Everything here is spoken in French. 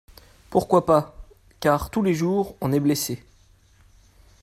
Pourquoi pas ? car tous les jours on est blessé…